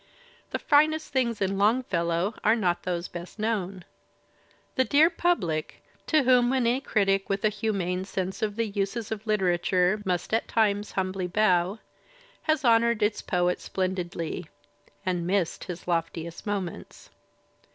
The finest things in Longfellow are not those best known. The dear pubUc, to whom any critic with a humane sense of the uses of Uterature must at times humbly bow, has honoured its poet splendidly — and missed his loftiest moments.